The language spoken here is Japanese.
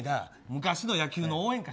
昔の野球の応援歌や。